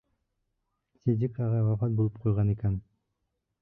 Ситдиҡ ағай вафат булып ҡуйған икән.